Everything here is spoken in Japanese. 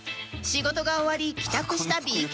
仕事が終わり帰宅した ＢＫＢ さん